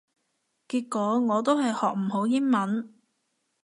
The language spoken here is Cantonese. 結果我都係學唔好英文